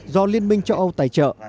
do liên minh châu âu tài trợ